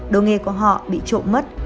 đồ nghề của họ bị trộn mất